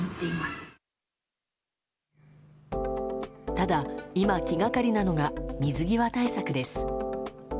ただ、今、気がかりなのが水際対策です。